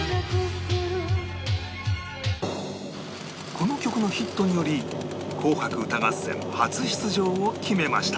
この曲のヒットにより『紅白歌合戦』初出場を決めました